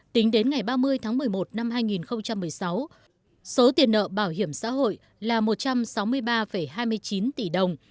tính đến ngày ba mươi tháng một mươi một năm hai nghìn một mươi sáu số tiền nợ bảo hiểm xã hội là một trăm sáu mươi ba hai mươi chín tỷ đồng